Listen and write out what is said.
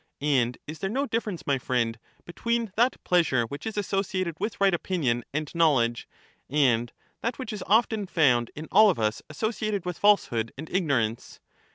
And is there no difference, my friend, between that pleasure which is associated with right opinion and know* ledge, and that which is often found in all of us associated with falsehood and ignorance